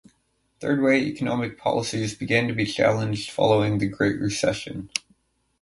Third Way economic policies began to be challenged following the Great Recession.